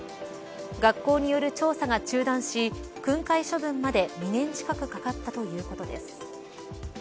学校による調査が中断し訓戒処分まで、２年近くかかったということです。